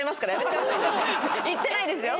行ってないですよ。